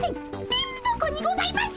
電ボ子にございます。